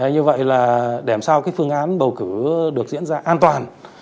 như vậy là để làm sao phương án bầu cử được diễn ra an toàn